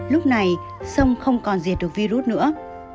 lúc này sông không còn diệt được virus nữa